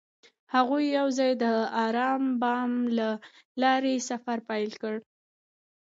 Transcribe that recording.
هغوی یوځای د آرام بام له لارې سفر پیل کړ.